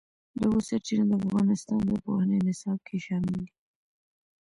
د اوبو سرچینې د افغانستان د پوهنې نصاب کې شامل دي.